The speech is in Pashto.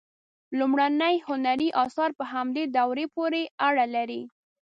لومړني هنري آثار په همدې دورې پورې اړه لري.